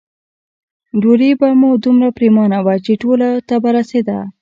ډوډۍ به دومره پریمانه وه چې ټولو ته به رسېده.